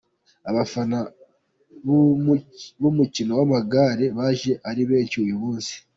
Abafana b'umucyino w'amagare baje ari benshi uyu munsi.